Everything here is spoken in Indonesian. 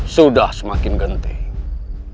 sudah semakin genting